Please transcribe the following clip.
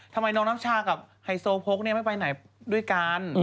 ทำไมน้องน้ำชากับไฮโซโพกไม่ไปไหนด้วยกัน